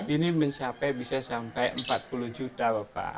ini bisa sampai empat puluh juta bapak